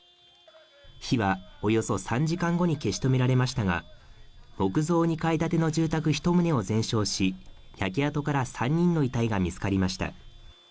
火はおよそ３時間後に消し止められましたが、木造２階建ての住宅一棟を全焼し、焼け跡から３人の遺体が見つかりました。